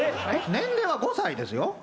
年齢は５歳ですよ。